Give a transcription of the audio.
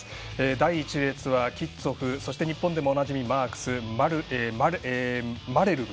第１列はキッツォフそして、日本でもおなじみのマークス、マレルブ。